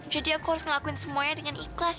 jadi aku harus ngelakuin semuanya dengan ikhlas